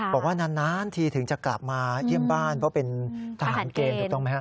บอกว่านานทีถึงจะกลับมาเยี่ยมบ้านเพราะเป็นอาหารเกณฑ์